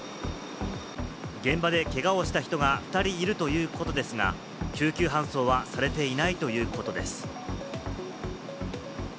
現場でけがをした人が２人いるということですが、救急搬送はされていないということです。